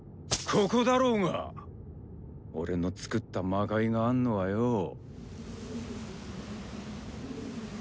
ここだろーが俺の作った魔界があんのはよ。